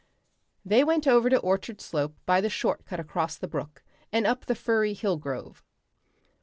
They went over to Orchard Slope by the short cut across the brook and up the firry hill grove.